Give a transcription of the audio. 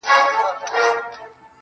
نه هغه ژوند راپاته دی نه هاغسې سازونه,